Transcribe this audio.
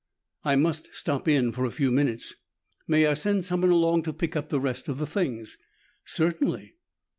"I must stop in for a few minutes." "May I send someone along to pick up the rest of the things?" "Certainly."